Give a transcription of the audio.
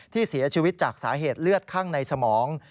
ที่เสียชีวิตจากสาเหตุเลือดข้างในสมอง